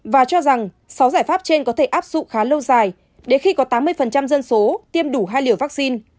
và cho rằng sáu giải pháp trên có thể áp dụng khá lâu dài đến khi có tám mươi dân số tiêm đủ hai liều vaccine